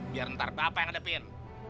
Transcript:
biar ntar bapak yang ngedepin